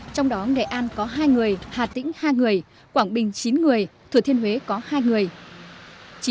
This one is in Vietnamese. trong đó nghệ an có hai người hà tĩnh hai người quảng bình chín người thừa thiên huế có hai người